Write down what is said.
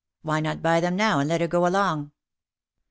Why not buy them now and let her go along?"